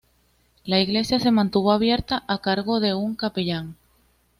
La iglesia se mantuvo abierta, a cargo de un capellán.